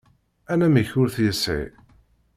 Anamek ur t-yesεi.